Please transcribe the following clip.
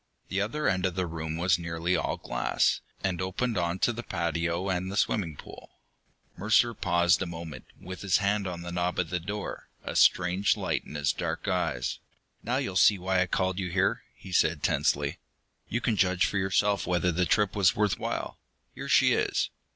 The other end of the room was nearly all glass, and opened onto the patio and the swimming pool. Mercer paused a moment, with his hand on the knob of the door, a strange light in his dark eyes. "Now you'll see why I called you here," he said tensely. "You can judge for yourself whether the trip was worth while. Here she is!"